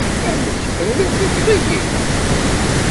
Amek tenwiḍ tifeḍ-iyi?